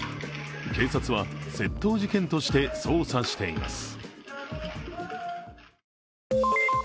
警察は窃盗事件として捜査しています。